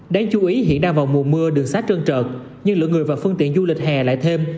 đáng chú ý hiện đang vào mùa mưa đường xá trơn trợt nhưng lượng người và phương tiện du lịch hè lại thêm